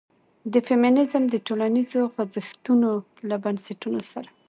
د فيمنيزم د ټولنيزو خوځښتونو له بنسټونو سره